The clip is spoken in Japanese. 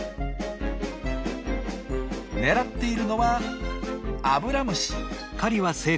狙っているのはアブラムシ。